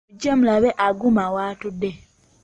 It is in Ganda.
Mujje mulabe Aguma w'atudde.